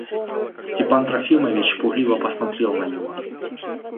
Степан Трофимович пугливо посмотрел на него.